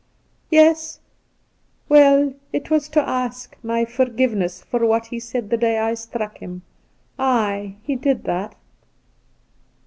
Yes ; well, it was to ask my forgiveness for what he said the day I struck him. Ay, he did that